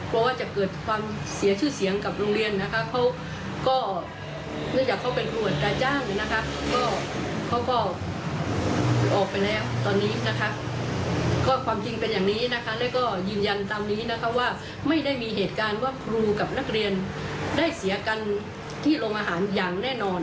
เพราะว่าจะเกิดความเสียชื่อเสียงกับโรงเรียน